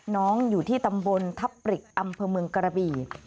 อยู่ที่ตำบลทับปริกอำเภอเมืองกระบี่